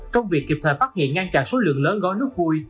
trong việc kịp thời phát hiện ngang trạng số lượng lớn gói nước vùi